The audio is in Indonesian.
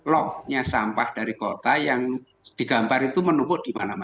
locknya sampah dari kota yang digambar itu menumpuk di mana mana